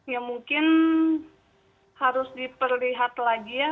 ya mungkin harus diperlihat lagi ya